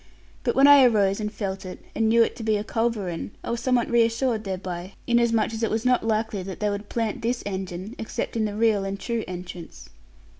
But when I arose and felt it, and knew it to be a culverin, I was somewhat reassured thereby, inasmuch as it was not likely that they would plant this engine except in the real and true entrance.